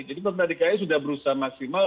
jadi pembendah di kai sudah berusaha maksimal